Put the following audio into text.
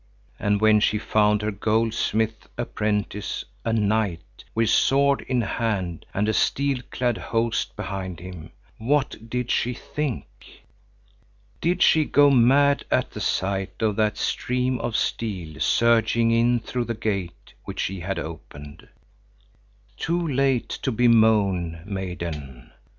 And when she found her goldsmith's apprentice a knight with sword in hand and a steel clad host behind him, what did she think? Did she go mad at the sight of that stream of steel surging in through the gate which she had opened? Too late to bemoan, maiden!